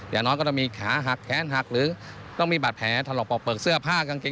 อย่าน้อยจะมีขาหักแขนหักหรือก็มีปลาดแผลทะลกรอบเป็กเสื้อผ้ากางเกง